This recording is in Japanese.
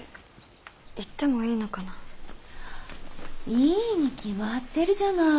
いいに決まってるじゃない。